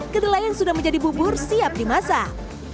kedelai yang sudah menjadi bubur siap dimasak